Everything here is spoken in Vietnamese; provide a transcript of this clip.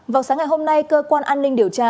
vào sáng ngày hôm nay cơ quan an ninh điều tra